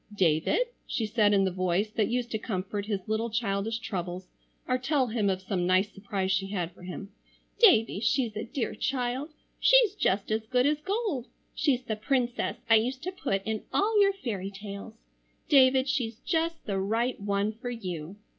"Davie," she said in the voice that used to comfort his little childish troubles, or tell him of some nice surprise she had for him, "Davie, she's a dear child! She's just as good as gold. She's the princess I used to put in all your fairy tales. David, she's just the right one for you!"